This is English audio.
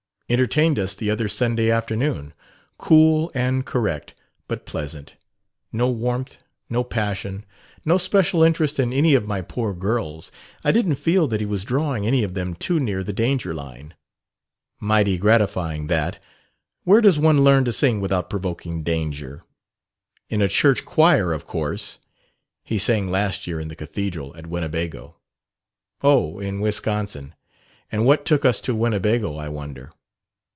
"Entertained us the other Sunday afternoon. Cool and correct, but pleasant. No warmth, no passion. No special interest in any of my poor girls. I didn't feel that he was drawing any of them too near the danger line." "Mighty gratifying, that. Where does one learn to sing without provoking danger?" "In a church choir, of course. He sang last year in the cathedral at Winnebago." "Oh, in Wisconsin. And what took us to Winnebago, I wonder?"